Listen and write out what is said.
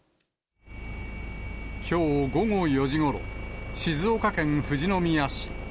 きょう午後４時ごろ、静岡県富士宮市。